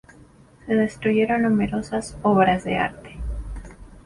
Se destruyeron numerosas obras de arte.